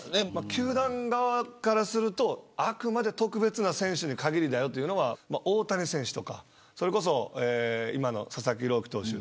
球団側からするとあくまで特別な選手に限りだよという大谷選手とか今の佐々木朗希投手。